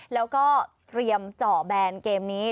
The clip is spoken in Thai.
แล้วก็เตรียมเจาะแบนเกมนี้